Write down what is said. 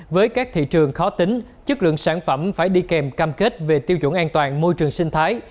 với các thị trường khó tính chất lượng sản phẩm phải đi kèm cam kết về tiêu chuẩn an toàn môi trường sinh thái